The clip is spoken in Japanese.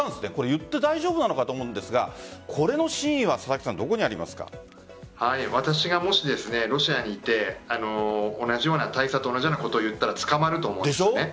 言って大丈夫なんだろうかと思うんですが私がもしロシアにいて大佐と同じようなことを言ったら捕まると思うんです。